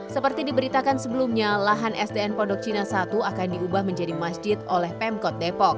seperti diberitakan sebelumnya lahan sdn pondok cina satu akan diubah menjadi masjid oleh pemkot depok